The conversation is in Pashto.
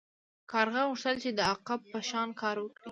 کارغه غوښتل چې د عقاب په شان کار وکړي.